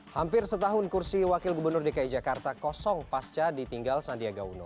hampir setahun kursi wakil gubernur dki jakarta kosong pasca ditinggal sandiaga uno